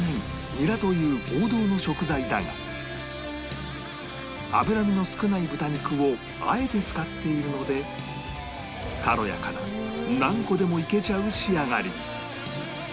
ニラという王道の食材だが脂身の少ない豚肉をあえて使っているので軽やかな何個でもいけちゃう仕上がりに